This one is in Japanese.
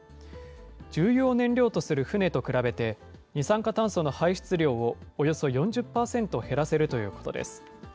重油を燃料とする船と比べて、二酸化炭素の排出量をおよそ４０％減らせるということです。